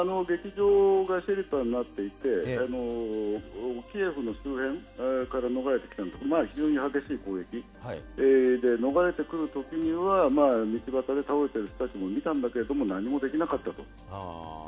劇場がシェルターになっていて、キエフの周辺から逃れてきたんですが、非常に激しい攻撃で、逃れてくるときには、道端で倒れている人たちも見たんだけれども、何もできなかったと。